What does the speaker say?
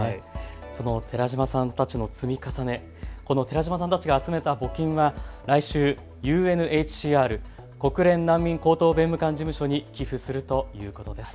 寺嶋さんたちの積み重ね、寺嶋さんたちが集めた募金は来週、ＵＮＨＣＲ・国連難民高等弁務官事務所に寄付するということです。